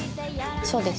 そうです。